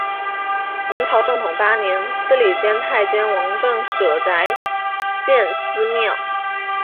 明朝正统八年司礼监太监王振舍宅建私庙。